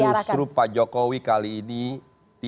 saya yakin justru pak jokowi kali ini di akhir masa jabatannya ini